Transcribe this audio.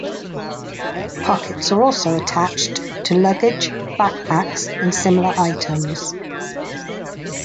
Pockets are also attached to luggage, backpacks, and similar items.